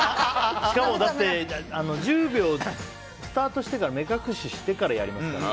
しかも１０秒、スタートしてから目隠ししてからやりますからね。